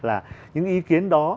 là những ý kiến đó